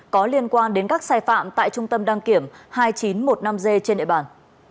có liên quan đến các sai phạm tại trung tâm đăng kiểm hai nghìn chín trăm một mươi năm g trên địa bàn